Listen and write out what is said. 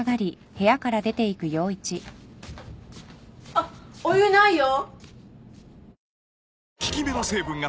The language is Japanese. あっお湯ないよ！